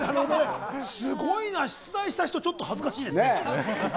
すごいな、出題した人ちょっと恥ずかしいですね。